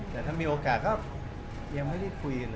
แต่ถ้ามีโอกาสก็ยังไม่ได้แทน